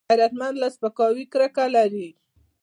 غیرتمند له سپکاوي کرکه لري